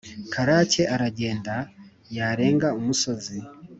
karake aragenda; yarenga umusozi,